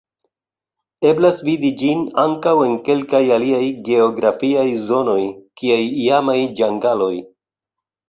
Eblas vidi ĝin ankaŭ en kelkaj aliaj geografiaj zonoj, kiaj iamaj ĝangaloj.